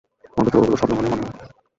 অন্তত, ওগুলো স্বপ্ন বলেই মনে হয়।